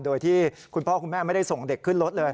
โดยที่คุณพ่อคุณแม่ไม่ได้ส่งเด็กขึ้นรถเลย